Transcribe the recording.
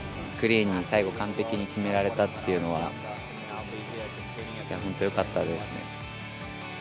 クリーンに、最後、完璧に決められたっていうのは、本当よかったですね。